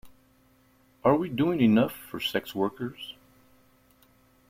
Are we doing enough for sex workers?